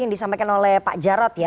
yang disampaikan oleh pak jarod ya